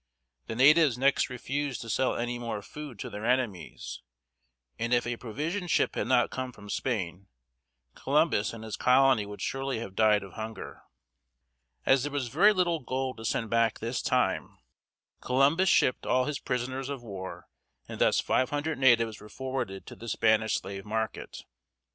The natives next refused to sell any more food to their enemies, and if a provision ship had not come from Spain, Columbus and his colony would surely have died of hunger. As there was very little gold to send back this time, Columbus shipped all his prisoners of war, and thus five hundred natives were forwarded to the Spanish slave market.